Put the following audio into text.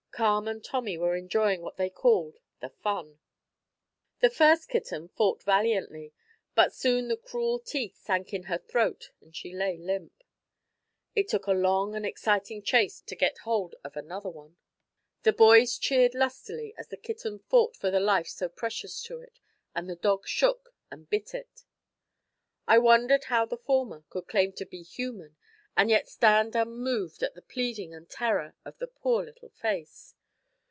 Carm and Tommy were enjoying what they called "the fun." The first kitten fought valiantly, but soon the cruel teeth sank in her throat and she lay limp. It took a long and exciting chase to get hold of another one. The boys cheered lustily as the kitten fought for the life so precious to it, and the dog shook and bit it. I wondered how the former could claim to be human and yet stand unmoved at the pleading and terror in the poor little face.